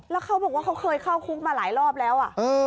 แล้วเขาบอกว่าเขาเคยเข้าคุกมาหลายรอบแล้ว